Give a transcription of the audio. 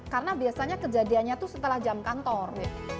karena biasanya kejadiannya itu setelah jam kantor